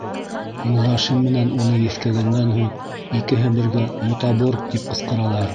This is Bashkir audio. Юлдашы менән уны еҫкәгәндән һуң, икеһе бергә «мутабор!» тип ҡысҡыралар.